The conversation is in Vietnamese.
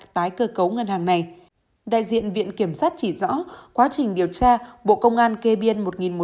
tái cơ cấu ngân hàng này đại diện viện kiểm sát chỉ rõ quá trình điều tra bộ công an kê biên